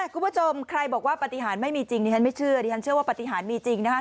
คุณผู้ชมใครบอกว่าปฏิหารไม่มีจริงดิฉันไม่เชื่อดิฉันเชื่อว่าปฏิหารมีจริงนะครับ